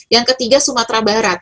yang ketiga sumatera barat